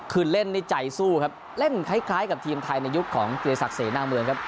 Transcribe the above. คือเล่นนี่ใจสู้ครับเล่นคล้ายกับทีมไทยในยุคของกิริสักเสนาเมืองครับ